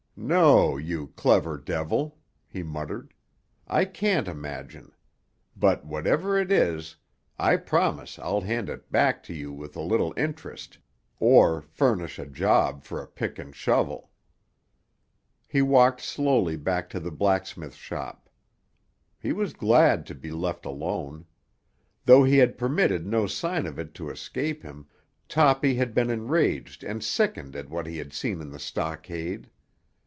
"No, you clever devil!" he muttered. "I can't imagine. But whatever it is, I promise I'll hand it back to you with a little interest, or furnish a job for a pick and shovel." He walked slowly back to the blacksmith shop. He was glad to be left alone. Though he had permitted no sign of it to escape him, Toppy had been enraged and sickened at what he had seen in the stockade.